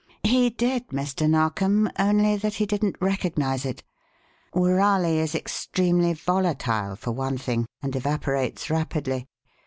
"He did, Mr. Narkom, only that he didn't recognize it. Woorali is extremely volatile, for one thing, and evaporates rapidly.